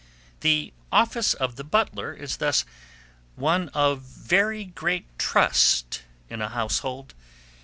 The office of butler is thus one of very great trust in a household.